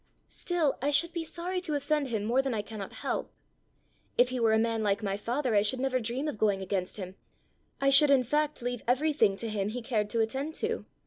"Still, I should be sorry to offend him more than I cannot help. If he were a man like my father, I should never dream of going against him; I should in fact leave everything to him he cared to attend to.